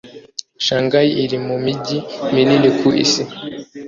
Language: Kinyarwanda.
shanghai iri mu mijyi minini ku isi